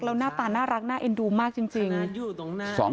แล้วหน้าตาน่ารักน่าเอ็นดูมากจริง